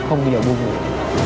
không bao giờ buông người